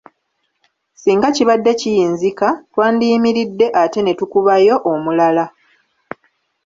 Singa kibadde kiyinzika, twandiyimiridde ate ne tukubayo omulala.